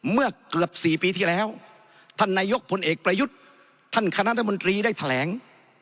เมื่อเกือบ๔ปีที่แล้วท่านนายกพลเอกประยุทธ์ท่านคณะรัฐมนตรีได้แถลง